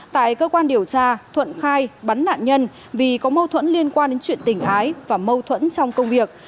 tại cơ quan điều tra thuận khai bắn nạn nhân vì có mâu thuẫn liên quan đến chuyện tình ái và mâu thuẫn trong công việc